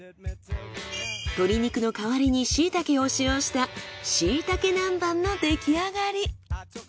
鶏肉の代わりにしいたけを使用したしいたけ南蛮の出来上がり。